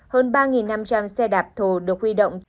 hơn ba năm trăm linh xe đạp thổ được huy động